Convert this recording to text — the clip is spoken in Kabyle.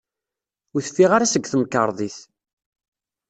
Ur teffiɣ ara seg temkarḍit.